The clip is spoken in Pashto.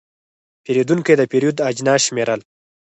پیرودونکی د پیرود اجناس شمېرل.